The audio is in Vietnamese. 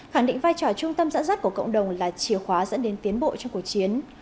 khẳng định vai trò trung tâm dẫn dắt của cộng đồng là chìa khóa dẫn đến tiến bộ trong cuộc chiến